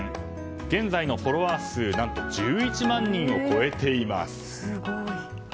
現在のフォロワー数何と１１万人を超えています。